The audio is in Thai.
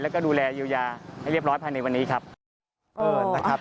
แล้วก็ดูแลเยียวยาให้เรียบร้อยภายในวันนี้ครับ